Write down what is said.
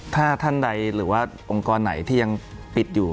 ถ้าท่านใดหรือว่าองค์กรไหนที่ยังปิดอยู่